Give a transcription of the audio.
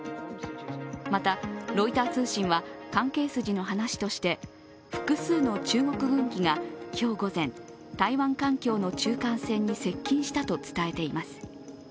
また、ロイター通信は、関係筋の話として複数の中国軍機が今日午前、台湾海峡の中間線に接近したと伝えています。